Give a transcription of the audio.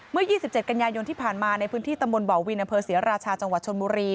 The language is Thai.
เมื่อ๒๗กันยายนที่ผ่านมาในพื้นที่ตำบลบ่อวินอำเภอศรีราชาจังหวัดชนบุรี